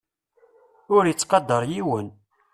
Ur ittqadar yiwen.